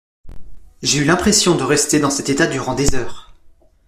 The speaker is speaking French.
J’ai eu l’impression de rester dans cet état durant des heures.